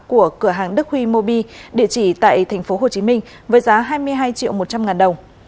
của cửa hàng đức huy mobi địa chỉ tại tp hcm với giá hai mươi hai triệu một trăm linh ngàn đồng